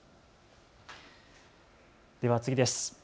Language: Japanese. では次です。